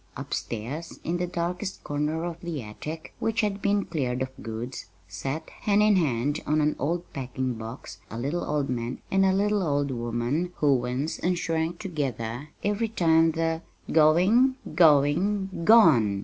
Upstairs, in the darkest corner of the attic which had been cleared of goods sat, hand in hand on an old packing box, a little old man and a little old woman who winced and shrank together every time the "Going, going, gone!"